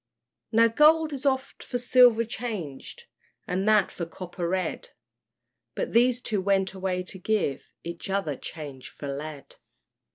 Now gold is oft for silver changed, And that for copper red; But these two went away to give Each other change for lead.